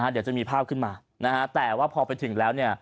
เดี๋ยวจะมีภาพขึ้นมาแต่พอไปถึงแล้ว